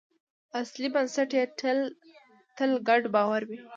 اصلي بنسټ یې تل ګډ باور وي.